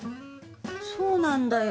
そうなんだよ。